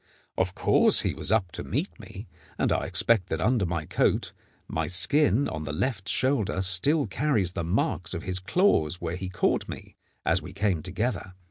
Of course he was up to meet me, and I expect that under my coat my skin on the left shoulder still carries the marks of his claws where he caught me as we came together.